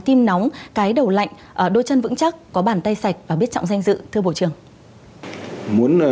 tim nóng cái đầu lạnh đôi chân vững chắc có bàn tay sạch và biết trọng danh dự thưa bộ trưởng